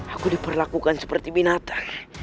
aku diperlakukan seperti binatang